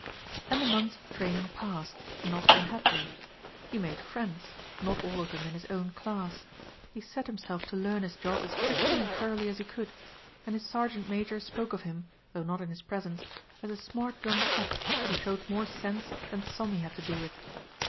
And the months of training passed, not unhappily. He made friends, not all of them in his own class; he set himself to learn his job as quickly and thoroughly as he could, and his sergeant major spoke of him, though not in his presence, as a smart young chap who showed more sense than some he had to do with.